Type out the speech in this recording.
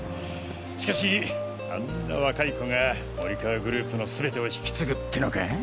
しかしあんな若い子が森川グループの全てを引き継ぐってのか。